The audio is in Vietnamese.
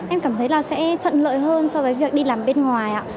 em cảm thấy sẽ thuận lợi hơn so với việc đi làm bên ngoài